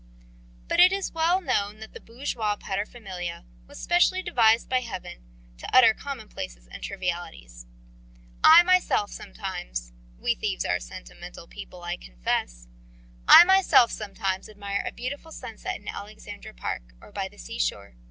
But it is well known that the bourgeois paterfamilias was specially devised by Heaven to utter commonplaces and trivialities. I myself sometimes we thieves are sentimental people, I confess I myself sometimes admire a beautiful sunset in Aleksandra Park or by the sea shore.